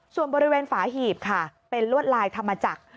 ส่วนบริเวณฝาหีบค่ะเป็นลวดลายธรรมจักร